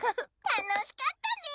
たのしかったね。